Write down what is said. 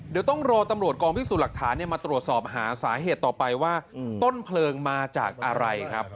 เดี๋ยวต้องรอตำรวจกองพิสูจน์หลักฐานมาตรวจสอบหาสาเหตุต่อไปว่าต้นเพลิงมาจากอะไรครับ